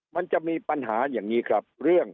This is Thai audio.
มันจะมีปัญหาอย่างงี้ครับ